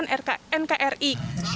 untuk mempertahankan nkri